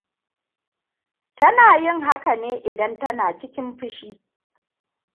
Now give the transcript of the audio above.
Tana yin haka ne idan ta na cikin fushi.